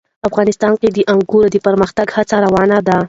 افغانستان کې د انګورو د پرمختګ هڅې روانې دي.